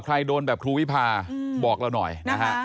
ใครโดนแบบครูวิพาบอกเราหน่อยนะฮะ